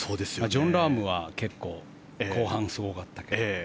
ジョン・ラームは結構、後半すごかったけど。